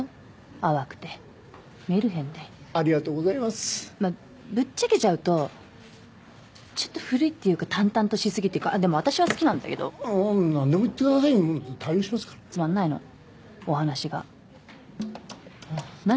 淡くてメルヘンでありがとうございますまあぶっちゃけちゃうとちょっと古いっていうか淡々としすぎっていうかでも私は好きなんだけどなんでも言ってくださいよ対応しますからつまんないのお話が何？